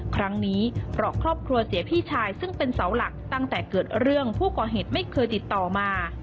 ครั้งนี้เพราะครอบครัวเสียพี่ชายซึ่งเป็นเสาหลักตั้งแต่เกิดเรื่องผู้ก่อเหตุไม่เคยติดต่อมา